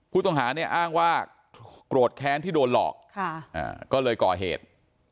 ผู้ต้องหาเนี่ยอ้างว่าโกรธแค้นที่โดนหลอกก็เลยก่อเหตุ